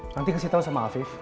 nanti kasih tau sama alvis